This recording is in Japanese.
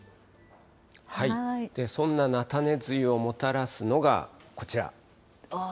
そんな菜種梅雨をもたらすのがこちら。